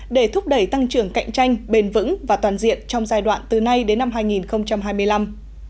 để thúc đẩy tăng trưởng cạnh tranh bền vững và toàn diện trong giai đoạn từ nay đến năm hai nghìn hai mươi năm